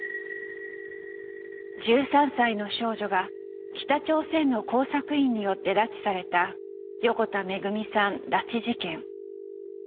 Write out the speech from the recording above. １３歳の少女が北朝鮮の工作員によって拉致された「横田めぐみさん拉致事件」。